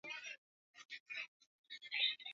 kwa taifa hilo na sasa baada ya kumaliza muda wake